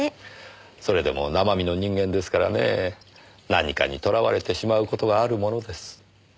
それでも生身の人間ですからね何かにとらわれてしまう事があるものです。